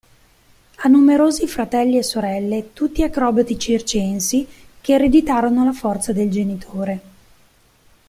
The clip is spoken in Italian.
Ha numerosi fratelli e sorelle tutti acrobati circensi che ereditarono la forza del genitore.